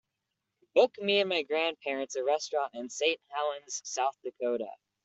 book me and my grandparents a restaurant in Saint Helens South Dakota